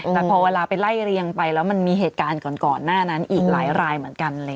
แต่พอเวลาไปไล่เรียงไปแล้วมันมีเหตุการณ์ก่อนหน้านั้นอีกหลายรายเหมือนกัน